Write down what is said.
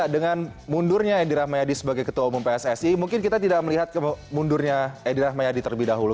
dengan mundurnya edi rahmayadi sebagai ketua umum pssi mungkin kita tidak melihat mundurnya edi rahmayadi terlebih dahulu